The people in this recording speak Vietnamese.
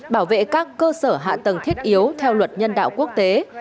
bảo vệ các cơ sở hạ tầng thiết yếu theo luật nhân đạo quốc tế